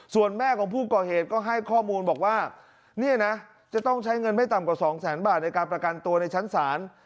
ส่วนแม่ของผู้ก่อเหตุก็ให้ข้อมูลบอกว่าเนี่ยนะจะต้องใช้เงินไม่ต่ำกว่าสองแสนบาทในการประกันตัวในชั้นศาล